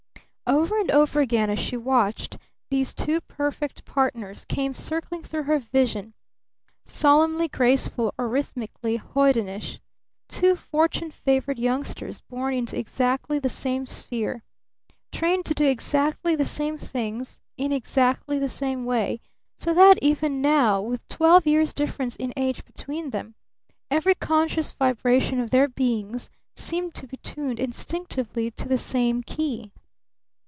Over and over again as she watched, these two perfect partners came circling through her vision, solemnly graceful or rhythmically hoydenish two fortune favored youngsters born into exactly the same sphere, trained to do exactly the same things in exactly the same way, so that even now, with twelve years' difference in age between them, every conscious vibration of their beings seemed to be tuned instinctively to the same key.